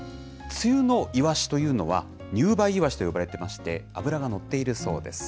梅雨のイワシというのは、入梅イワシと呼ばれていまして、脂が乗っているそうです。